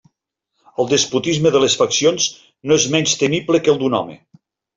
El despotisme de les faccions no és menys temible que el d'un home.